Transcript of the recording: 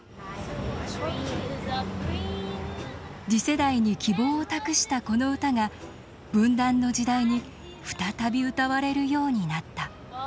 次世代に希望を託したこの歌が分断の時代に再び歌われるようになった。